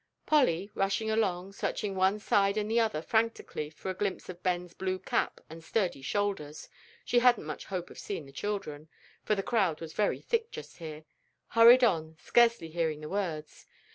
Polly, rushing along, searching one side and the other frantically for a glimpse of Ben's blue cap and sturdy shoulders (she hadn't much hope of seeing the children, for the crowd was very thick just here), hurried on, scarcely hearing the words.